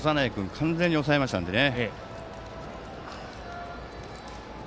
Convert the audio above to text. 完全に抑えましたね。